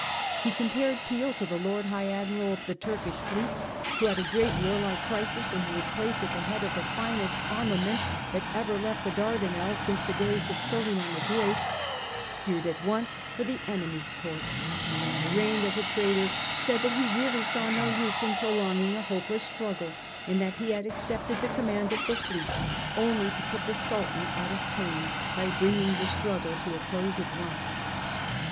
He compared Peel to the Lord High Admiral of the Turkish fleet, who at a great warlike crisis when he was placed at the head of the finest armament that ever left the Dar danelles since the days of Solyman the Great, steered at once for the enemy's port, and when arraigned as a traitor, said that he really saw no use in prolonging a hopeless struggle, and that he had accepted the command of the fleet only to put the Sultan out of pain by bringing the struggle to a close at once.